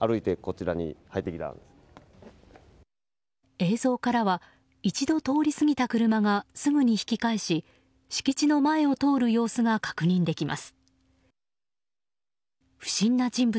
映像からは一度通り過ぎた車がすぐに引き返し敷地の前を通る様子が確認できます。